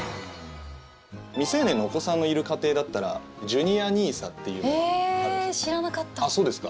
未成年のお子さんのいる家庭だったらジュニアＮＩＳＡというのがあるんです。